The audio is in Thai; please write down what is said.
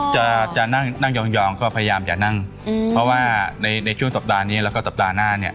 จะจะนั่งนั่งยองก็พยายามจะนั่งเพราะว่าในช่วงสัปดาห์นี้แล้วก็สัปดาห์หน้าเนี่ย